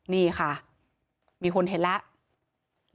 นี่ค่ะมีคนเห็นแล้ว